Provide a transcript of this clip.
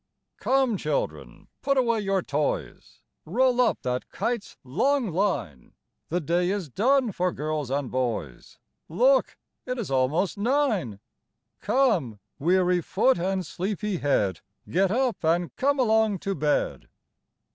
"Come, children, put away your toys; Roll up that kite's long line; The day is done for girls and boys Look, it is almost nine! Come, weary foot, and sleepy head, Get up, and come along to bed."